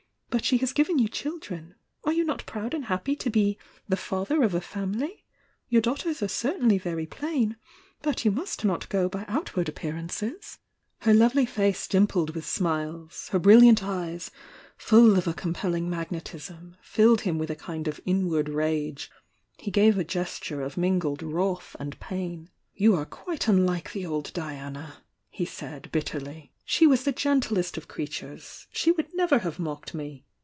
But she has given you children— are you not proud and happy to be 'the father of a family'? Your dau^ ters are certainly very plain, — but you must not go by outward appearances!" Her lovely face dimpled with smiles— her brilliant eyes, full of a compelling magnetism, filled him with a kind of inward rage— he gave a gesture of mingled wrath and pain. "You are quite unlike the old Diana," he said, bit terly. "She was the gentlest of creatures,— she would never have mocked me!"